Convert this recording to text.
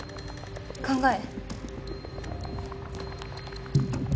考え？